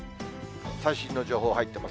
最新の情報入っています。